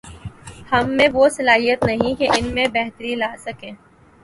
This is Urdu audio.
ہم میں وہ صلاحیت ہی نہیں کہ ان میں بہتری لا سکیں۔